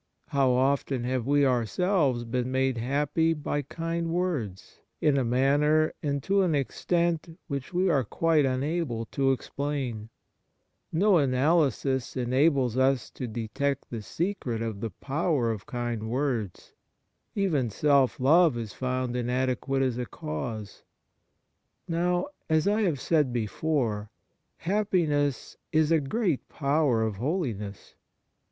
How often have we ourselves been made happy by kind words, in a manner and to an extent which we are quite unable to explain ? No analysis enables us to detect the secret of the power of kind words ; even self love is found inadequate as a cause. Now, as I have said before, happiness is a great power of holiness.